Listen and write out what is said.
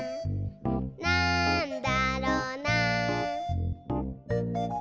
「なんだろな？」